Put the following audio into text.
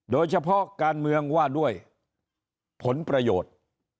โดยเฉพาะการเมืองว่าด้วยผลประโยชน์